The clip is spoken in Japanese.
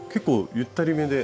ゆったりめです。